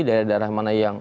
dari daerah mana yang